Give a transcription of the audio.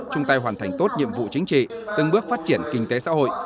chung tay hoàn thành tốt nhiệm vụ chính trị từng bước phát triển kinh tế xã hội